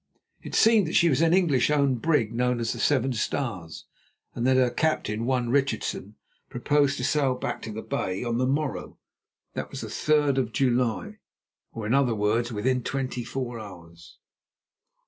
It seemed that she was an English owned brig known as the Seven Stars, and that her captain, one Richardson, proposed to sail back to the Bay on the morrow, that was the third of July, or in other words, within twenty four hours.